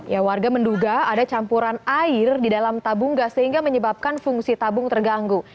ya warga menduga ada campuran air di dalam tabung gas sehingga menyebabkan fungsi tabung terganggu